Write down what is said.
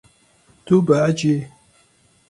Tu behecî yî.